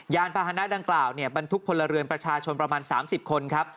ยานภาษณาดังกล่าวเนี่ยบันทุกหละเรือประชาชนประมาณสามสิบคนครับ